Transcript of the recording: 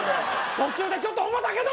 途中でちょっと思ったけど！